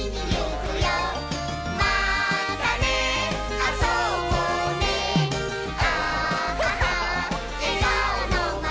「またねあそぼうねあははえがおのまま」